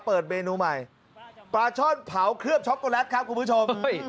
เปิดเมนูใหม่ปลาช่อนเผาเคลือบช็อกโกแลตครับคุณผู้ชม